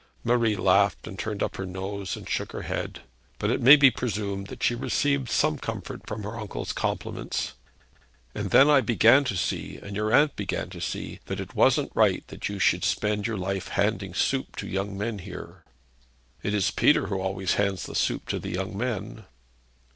Marie laughed, and turned up her nose and shook her head; but it may be presumed that she received some comfort from her uncle's compliments. 'And then I began to see, and your aunt began to see, that it wasn't right that you should spend your life handing soup to the young men here.' 'It is Peter who always hands the soup to the young men.'